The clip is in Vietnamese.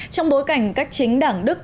trong bối cảnh các chính đảng đức